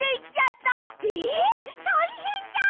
たいへんじゃん！